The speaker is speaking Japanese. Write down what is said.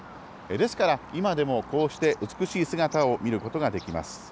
ですから、今でもこうして美しい姿を見ることができます。